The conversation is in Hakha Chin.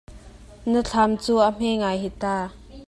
Na thlam cu a hme ngai hi ta.